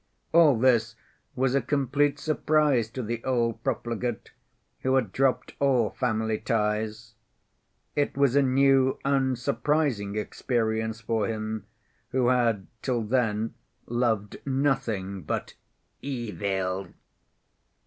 All this was a complete surprise to the old profligate, who had dropped all family ties. It was a new and surprising experience for him, who had till then loved nothing but "evil."